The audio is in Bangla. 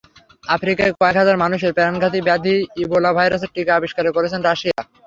আফ্রিকায় কয়েক হাজার মানুষের প্রাণঘাতী ব্যাধি ইবোলা ভাইরাসের টিকা আবিষ্কার করেছে রাশিয়া।